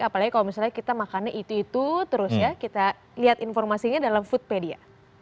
apalagi kalau misalnya kita makannya itu itu terus ya kita lihat informasinya dalam foodpedia